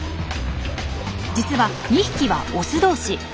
実は２匹はオス同士。